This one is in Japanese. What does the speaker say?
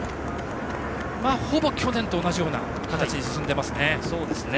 ほぼ去年と同じような形で進んでいますね。